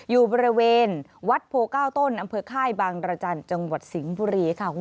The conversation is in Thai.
อยู่บริเวณวัดโพเก้าต้นอำเภอค่ายบางรจันทร์จังหวัดสิงห์บุรีค่ะ